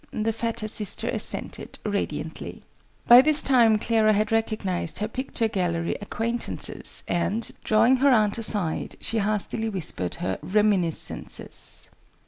the fatter sister assented, radiantly. By this time Clara had recognised her picture gallery acquaintances, and, drawing her aunt aside, she hastily whispered her reminiscences.